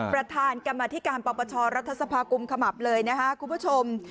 ประธานกรรมธิการปปชรัฐสภากุมขมับเลยนะคะคุณผู้ชม